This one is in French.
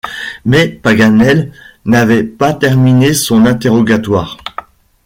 Mais Paganel n’avait pas terminé son interrogatoire.